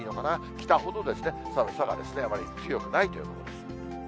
北ほど寒さ、あまり強くないということです。